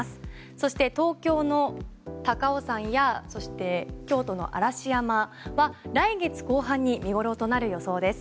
そして、東京の高尾山やそして、京都の嵐山は来月後半に見頃となる予想です。